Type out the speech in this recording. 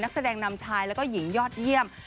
แสดงนำชายแล้วก็หญิงยอดเยี่ยม